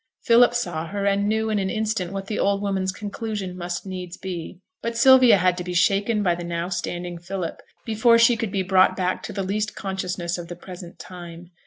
Philip saw her, and knew, in an instant, what the old woman's conclusion must needs be; but Sylvia had to be shaken by the now standing Philip, before she could be brought back to the least consciousness of the present time.